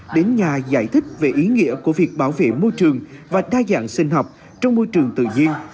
đến nhà giải thích về ý nghĩa của việc bảo vệ môi trường và đa dạng sinh học trong môi trường tự nhiên